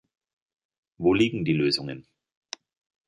Wo liegen die Lösungen?